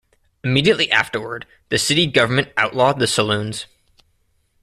Immediately afterward, the city government outlawed the saloons.